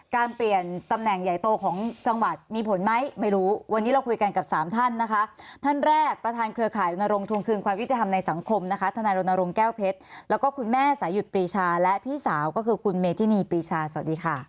การเปลี่ยนตำแหน่งใหญ่โตของจังหวัดมีผลไหมไม่รู้วันนี้เราคุยกันกับสามท่านนะคะท่านแรกประธานเครือข่ายรณรงควงคืนความยุติธรรมในสังคมนะคะทนายรณรงค์แก้วเพชรแล้วก็คุณแม่สายุดปรีชาและพี่สาวก็คือคุณเมธินีปีชาสวัสดีค่ะ